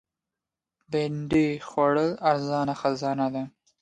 بېنډۍ د خوړو ارزانه خزانه ده